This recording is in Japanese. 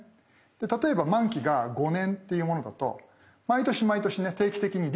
例えば満期が５年っていうものだと毎年毎年ね定期的に利子がもらえます。